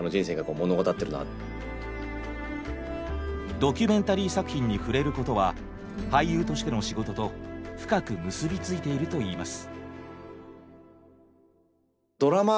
ドキュメンタリー作品に触れることは俳優としての仕事と深く結びついているといいます。